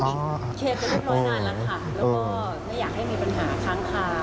เคลียร์กันเรียบร้อยนานแล้วค่ะแล้วก็ไม่อยากให้มีปัญหาค้างคา